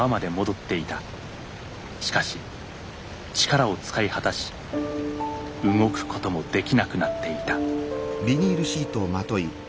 しかし力を使い果たし動くこともできなくなっていた。